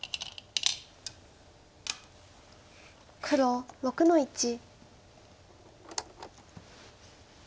黒６の一。